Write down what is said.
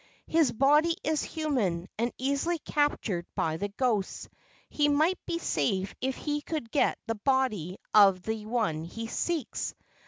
His body is human and easily captured by the ghosts. He might be safe if he could get the body of the one he seeks.